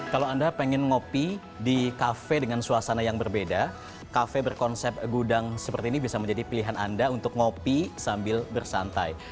kalau anda pengen ngopi di kafe dengan suasana yang berbeda kafe berkonsep gudang seperti ini bisa menjadi pilihan anda untuk ngopi sambil bersantai